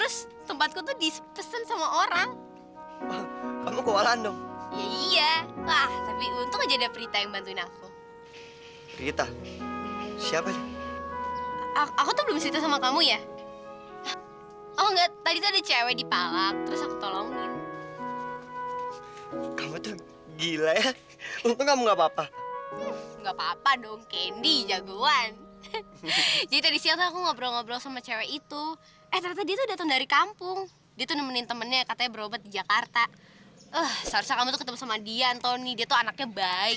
sampai jumpa di video selanjutnya